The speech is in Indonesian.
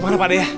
kemana pakde ya